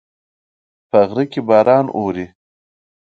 په غره کې باران اوري